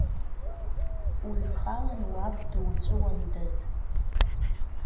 Уҩхалан уаб дуҵәыуандаз.